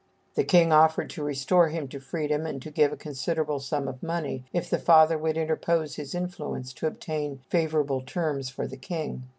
The king offered to restore him to freedom, and to give a considerable sum of money, if the father would interpose his influence to obtain favorable terms for the king.